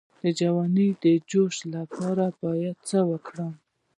د ځوانۍ د جوش لپاره باید څه وکړم؟